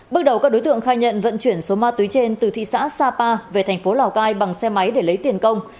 bước đầu các đối tượng khai nhận vận chuyển số ma túy trên từ thị xã sapa về thành phố lào cai bằng xe máy để lấy tiền công